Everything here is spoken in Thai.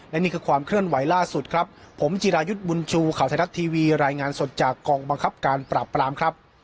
และนี่คือความเคลื่อนไหวล่าสุดครับผมจิรายุทธ์บุญชูข่าวไทยรัฐทีวีรายงานสดจากกองบังคับการปราบปรามครับ